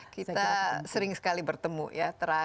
kita sering sekali bertemu ya